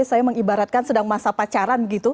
saya mengibaratkan sedang masa pacaran begitu